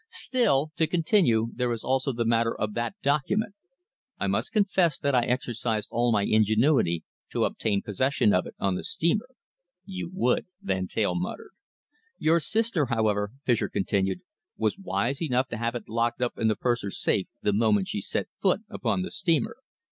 "Still, to continue, there is also the matter of that document. I must confess that I exercised all my ingenuity to obtain possession of it on the steamer." "You would!" Van Teyl muttered. "Your sister, however," Fischer continued, "was wise enough to have it locked up in the purser's safe the moment she set foot upon the steamer.